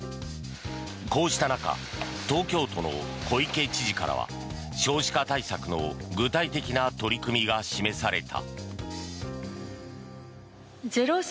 こうした中東京都の小池知事からは少子化対策の具体的な取り組みが示された。